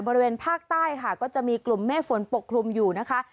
บริเวณภาคใต้ค่ะก็จะมีกลุ่มเมฆฝนปกคลุมอยู่นะคะ